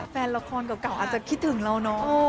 แฟนละครเก่าอาจจะคิดถึงเราเนอะ